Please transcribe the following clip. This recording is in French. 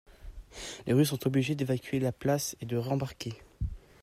Les Russes sont obligés d’évacuer la place et de rembarquer.